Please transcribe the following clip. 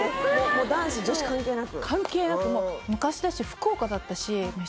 男子女子関係なく？